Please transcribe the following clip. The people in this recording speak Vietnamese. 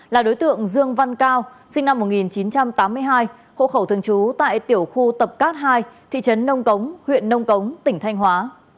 là đối tượng dương văn cao sinh năm một nghìn chín trăm tám mươi hai hộ khẩu thường trú tại tiểu khu tập cát hai thị trấn nông cống huyện nông cống tỉnh thanh hóa